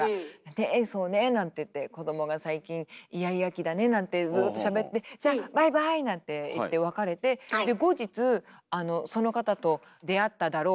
「ねえそうねえ」なんて言って「子供が最近イヤイヤ期だね」なんてずっとしゃべって「じゃあバイバイ」なんて言って別れてで後日その方と出会っただろう